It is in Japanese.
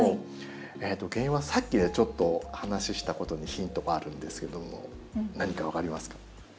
原因はさっきちょっと話ししたことにヒントがあるんですけども何か分かりますか？